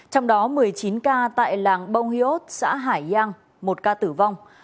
trong đó một mươi chín ca tại làng bông hiếu xã hải giang một ca tử vong